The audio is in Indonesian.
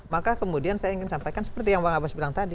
maka kemudian saya ingin sampaikan seperti yang bang abbas bilang tadi